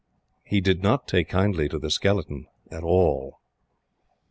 He did not take kindly to the skeleton at all.